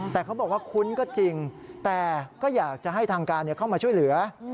แต่เขาบอกว่าคุ้นก็จริงแต่ก็อยากจะให้ทางการเข้ามาช่วยเหลือ